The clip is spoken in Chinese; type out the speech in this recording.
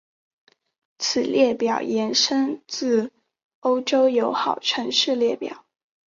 此列表延伸自欧洲友好城市列表。